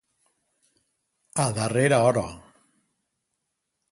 A darrera hora.